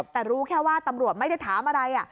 แต่รู้แค่ว่าตำรวจไม่ได้ถามอะไร